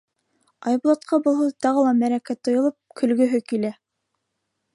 Айбулатҡа был һүҙ тағы ла мәрәкә тойолоп көлгөһө килә.